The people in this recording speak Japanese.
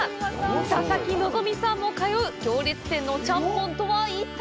佐々木希さんも通う行列店のチャンポンとは一体？